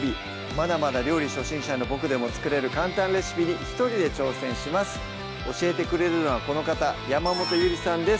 まだまだ料理初心者のボクでも作れる簡単レシピに一人で挑戦します教えてくれるのはこの方山本ゆりさんです